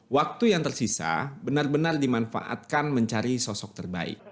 waktu yang tersisa benar benar dimanfaatkan mencari sosok terbaik